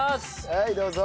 はいどうぞ。